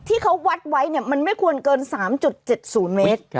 ที่เขาวัดไว้เนี้ยมันไม่ควรเกินสามจุดเจ็ดศูนย์เมตรอุ้ย